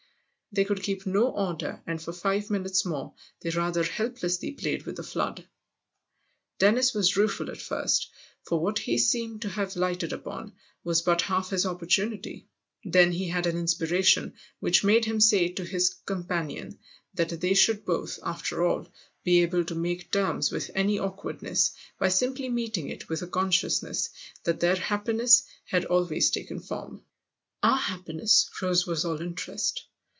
They could keep no order and for five minutes more they rather helplessly played with the flood. Dennis was rueful at first, for what he seemed to have lighted upon was but half his opportunity; then he had an inspiration which made him say to his companion that they should both, after all, be able to make terms with any awkwardness by simply meeting it with a con sciousness that their happiness had already taken form. " Our happiness ?" Rose was all interest.